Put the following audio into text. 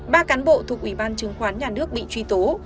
ba cán bộ thuộc ủy ban chứng khoán nhà nước bị truy tố